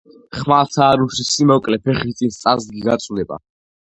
ხმალსა არ უშლის სიმოკლე, ფეხი წინ წასდგი - გაწვდება.